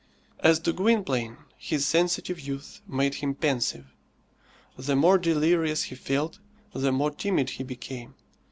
As to Gwynplaine, his sensitive youth made him pensive. The more delirious he felt, the more timid he became.